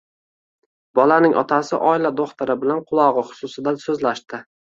Bolaning otasi oila do`xtiri bilan qulog`i xususida so`zlashdi